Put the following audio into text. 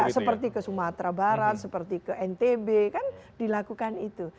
seperti ke sumatera barat seperti ke ntb kan dilakukan itu